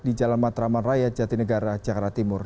di jalan matraman raya jatinegara jakarta timur